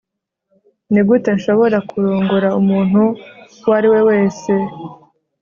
nigute nshobora kurongora umuntu uwo ari we wese